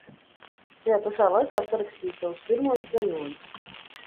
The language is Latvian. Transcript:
Tajā pašā laikā sarakstīja savus pirmos dzejoļus.